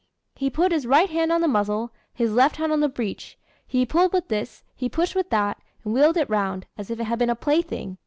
He put his right hand on the muzzle, his left hand on the breach; he pulled with this, he pushed with that, and wheeled it round, as if it had been a plaything.